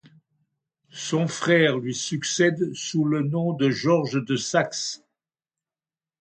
Son frère lui succède sous le nom de Georges de Saxe.